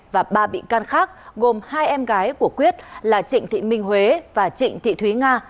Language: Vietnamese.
và ba bị can khác gồm hai em gái của quyết là trịnh thị minh huế và trịnh thị thúy nga